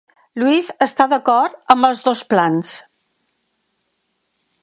Louise està d'acord amb els dos plans.